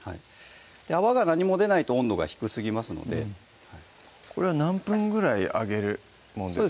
泡が何も出ないと温度が低すぎますのでこれは何分ぐらい揚げるそうですね